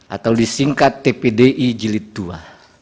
atau disingkat tpdi jilid ii